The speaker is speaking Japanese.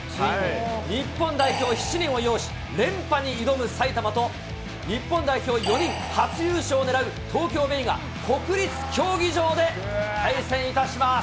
日本代表７人を擁し、連覇に挑む埼玉と、日本代表４人、初優勝をねらう東京ベイが国立競技場で対戦いたします。